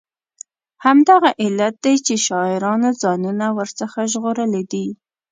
همدغه علت دی چې شاعرانو ځانونه ور څخه ژغورلي دي.